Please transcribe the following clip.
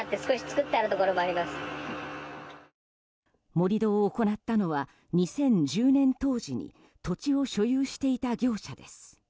盛り土を行ったのは２０１０年当時に土地を所有していた業者です。